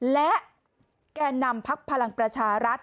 และแก่นำพักพลังประชารัฐ